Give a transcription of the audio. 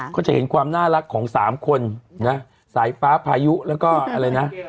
ก็จะเห็นความน่ารักของสามคนนะสายฟ้าพายุแล้วก็อะไรนะ